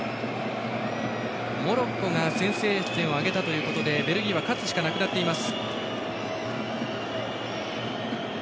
モロッコが先制点を挙げたということでベルギーは勝つしかなくなっています。